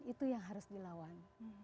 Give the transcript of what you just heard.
itu yang harus dilawan